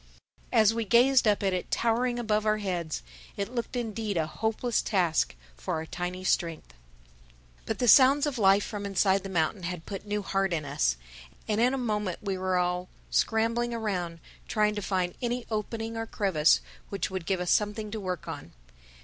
As we gazed up at it towering above our heads, it looked indeed a hopeless task for our tiny strength. But the sounds of life from inside the mountain had put new heart in us. And in a moment we were all scrambling around trying to find any opening or crevice which would give us something to work on.